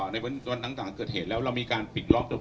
ในเวลาต่างเกิดเหตุแล้วเรามีการปิดล้อม